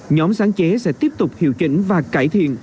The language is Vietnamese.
nhóm sáng chế sẽ tiếp tục hiệu chỉnh và cải thiện